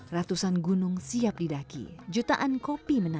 ratusan gunung siap didaki jutaan kopi menarik